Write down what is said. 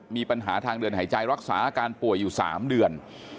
มีปัญหาทางเดินหายใจรักษาอาการป่วยอยู่๓เดือน